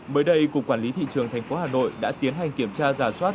mới đây cục quản lý thị trường tp hà nội đã tiến hành kiểm tra giả soát